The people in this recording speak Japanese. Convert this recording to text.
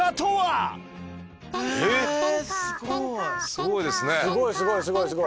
すごいですね。